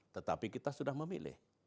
tetapi kita sudah memilih